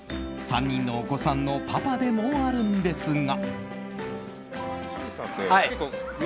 ３人のお子さんのパパでもあるんですが。